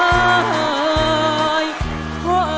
สมาธิพร้อมเพลงที่๑เพลงมาครับ